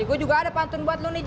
gue juga ada pantun buat lo nih ji